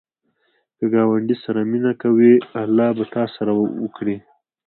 که ګاونډي سره مینه کوې، الله به تا سره وکړي